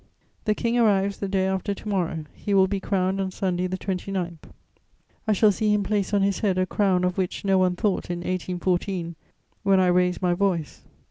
"The King arrives the day after to morrow; he will be crowned on Sunday the 29th; I shall see him place on his head a crown of which no one thought, in 1814, when I raised my voice.